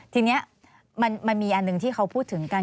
ทีนี้มันมีอันหนึ่งที่เขาพูดถึงกัน